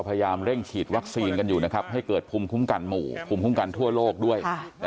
พยายามเร่งฉีดวัคซีนกันอยู่นะครับให้เกิดภูมิคุ้มกันหมู่ภูมิคุ้มกันทั่วโลกด้วย